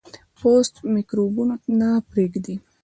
پوست میکروبونه نه پرېږدي.